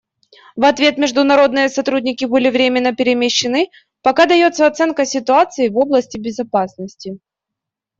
В ответ международные сотрудники были временно перемещены, пока дается оценка ситуации в области безопасности.